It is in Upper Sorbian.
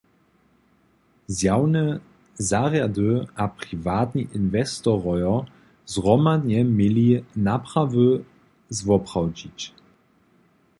Zjawne zarjady a priwatni inwestorojo zhromadnje měli naprawy zwoprawdźić.